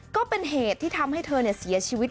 ก็เป็นเหตุที่ทำให้เธอเสียชีวิต